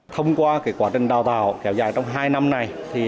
thông qua quá trình đào tạo kéo dài trong hai năm này